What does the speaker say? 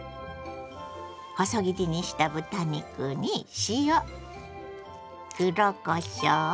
細切りにした豚肉に塩黒こしょう。